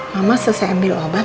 mama selesai ambil obat